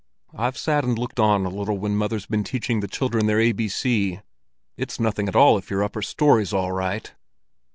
"I've sat and looked on a little when mother's been teaching the children their ABC. It's nothing at all if your upper story's all right."